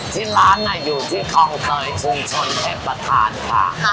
ที่ร้านอยู่ที่คลองเตยชุมชนเทพประธานค่ะ